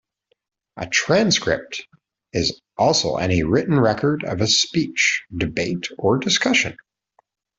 A transcript is also any written record of a speech, debate or discussion.